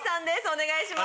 お願いします。